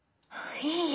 いいえ。